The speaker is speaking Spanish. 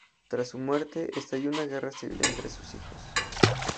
Tras su muerte, estalló una guerra civil entre sus hijos.